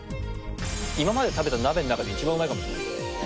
今まで食べた鍋の中で一番うまいかもしんない。